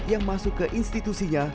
yang masuk ke institusinya